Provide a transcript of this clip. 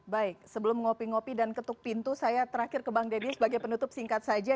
baik sebelum ngopi ngopi dan ketuk pintu saya terakhir ke bang deddy sebagai penutup singkat saja